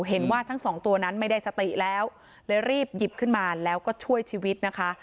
เห็นว่าทั้งสองตัวนั้นไม่ได้สติแล้วเลยรีบหยิบขึ้นมาแล้วก็ช่วยชีวิตนะคะ